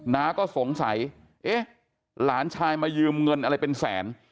น้าก็สงสัยเอ๊ะหลานชายมายืมเงินอะไรเป็นแสน